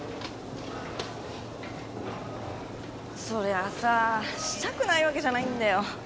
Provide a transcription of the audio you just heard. そりゃあさしたくないわけじゃないんだよ。